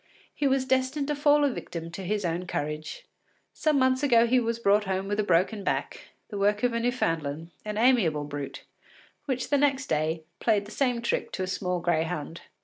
he was destined to fall a victim to his own courage. Some months ago he was brought home with a broken back, the work of a Newfoundland, an amiable brute, which the next day played the same trick to a small greyhound.